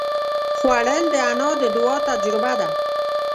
خوړل د انا د دعا تجربه ده